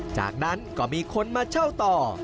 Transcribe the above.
จากนั้นก็มีคนมาเช่าต่อ